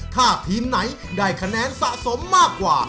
ถ้าทีมไหนได้คะแนนสะสมมากกว่า